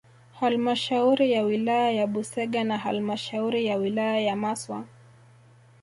Halmashauri ya wilaya ya Busega na halmashauri ya wilaya ya Maswa